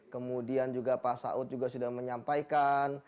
kemudian juga pak saud juga sudah menyampaikan